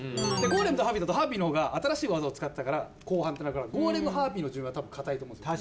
ゴーレムとハーピーだとハーピーの方が新しい技を使ってたから後半ってなるからゴーレムハーピーの順は多分堅いと思うんですよ。